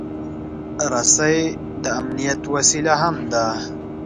رسۍ د امنیت وسیله هم ده.